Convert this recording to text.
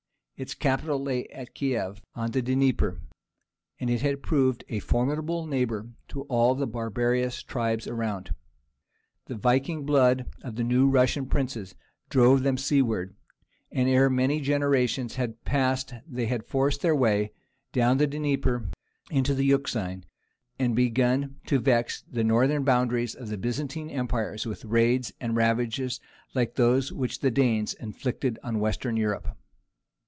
Its capital lay at Kief on the Dnieper, and it had proved a formidable neighbour to all the barbarous tribes around. The Viking blood of the new Russian princes drove them seaward, and ere many generations had passed they had forced their way down the Dnieper into the Euxine, and begun to vex the northern borders of the Byzantine Empire with raids and ravages like those which the Danes inflicted on Western Europe.